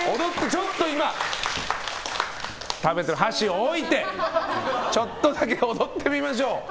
ちょっと食べてる箸を置いてちょっとだけ踊ってみましょう。